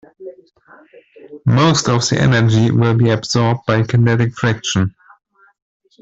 Most of the energy will be absorbed by kinetic friction.